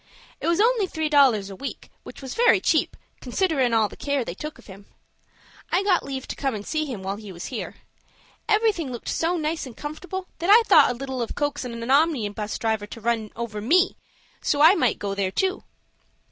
It was only three dollars a week, which was very cheap, considerin' all the care they took of him. I got leave to come and see him while he was here. Everything looked so nice and comfortable, that I thought a little of coaxin' a omnibus driver to run over me, so I might go there too."